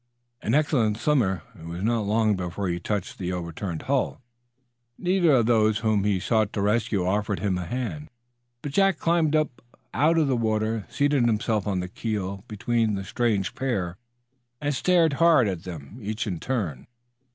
An excellent swimmer, it was not long before he touched the overturned hull. Neither of those whom he sought to rescue offered him a hand. But Jack climbed up out of the water, seated himself on the keel between the strange pair, and stared hard at them, each in turn.